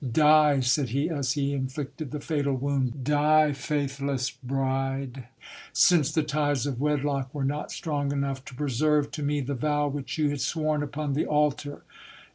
Die, said he, as he inflicted the fatal wound ; die, faithless bride, since the ties of wedlock were not strong enough to preserve to me the vow which you had sworn upon the altar.